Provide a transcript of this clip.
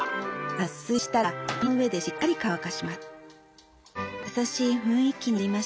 脱水したら網の上でしっかり乾かします。